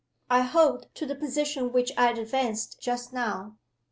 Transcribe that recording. I hold to the position which I advanced just now.